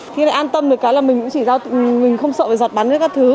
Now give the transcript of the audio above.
thì an tâm được cái là mình cũng chỉ không sợ giọt bắn các thứ